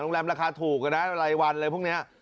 แรมราคาถูกนะรายวันอะไรพวกนี้